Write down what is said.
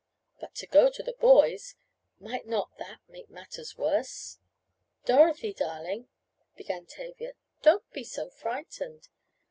But to go to the boys! Might not that make matters worse? "Dorothy, darling," began Tavia, "don't be so frightened.